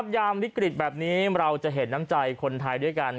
ยามวิกฤตแบบนี้เราจะเห็นน้ำใจคนไทยด้วยกัน